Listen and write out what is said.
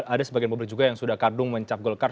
ada sebagian publik juga yang sudah kardung mencap golkar